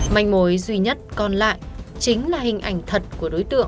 manh mối duy nhất còn lại chính là hình ảnh thật của đối tượng